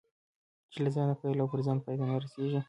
چې له ځانه پیل او پر ځان پای ته نه رسېږي.